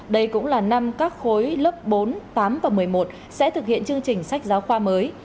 đây cũng là năm các khối lớp bốn tám và một mươi một sẽ thực hiện chương trình sách giáo khoa mới